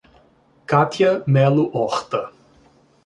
Kátia Melo Horta